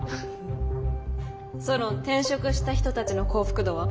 ソロン転職した人たちの幸福度は？